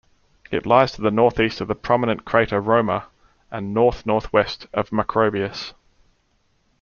It lies to the northeast of the prominent crater Römer, and north-northwest of Macrobius.